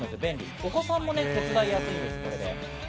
お子さんも手伝いやすいです。